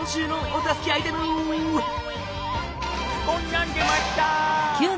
こんなん出ました。